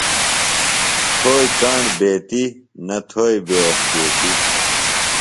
تھوئیۡ کاݨ بیتیۡ، نہ تھوئیۡ بے احتیطیۡ